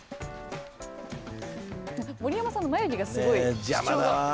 盛山さんの眉毛がすごい。